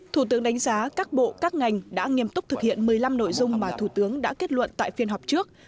thủ tướng đánh giá các bộ các ngành đã nghiêm túc thực hiện một mươi năm nội dung mà thủ tướng đã kết luận tại phiên họp trước